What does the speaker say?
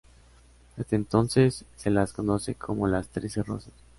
Desde entonces, se las conoce como las Trece Rosas.